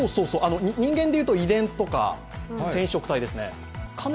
人間でいうと、遺伝とか染色体ですね。